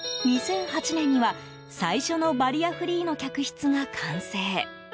２００８年には、最初のバリアフリーの客室が完成。